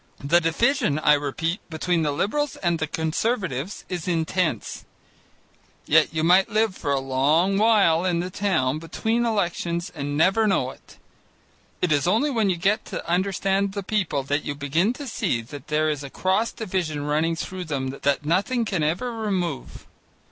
The division, I repeat, between the Liberals and the Conservatives, is intense. Yet you might live for a long while in the town, between elections, and never know it. It is only when you get to understand the people that you begin to see that there is a cross division running through them that nothing can ever remove.